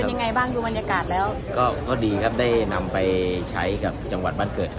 ยังไงบ้างดูบรรยากาศแล้วก็ก็ดีครับได้นำไปใช้กับจังหวัดบ้านเกิด